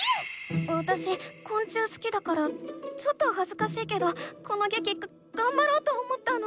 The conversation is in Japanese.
わたしこん虫すきだからちょっとはずかしいけどこのげきがんばろうと思ったの。